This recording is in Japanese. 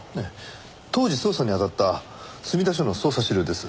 当時捜査にあたった墨田署の捜査資料です。